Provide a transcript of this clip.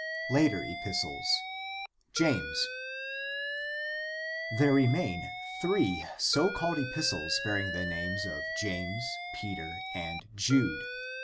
Later epistles: James. — There remain three so called epistles bearing the names of James, Peter, and Jude.